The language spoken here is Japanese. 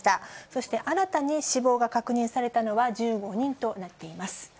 そして新たに死亡が確認されたのは１５人となっています。